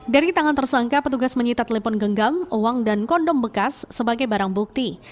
dari tangan tersangka petugas menyita telepon genggam uang dan kondom bekas sebagai barang bukti